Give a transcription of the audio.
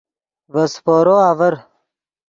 ڤے سیپورو آڤر